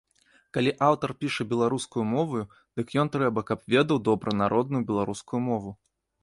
Калі аўтар піша беларускаю моваю, дык ён трэба, каб ведаў добра народную беларускую мову.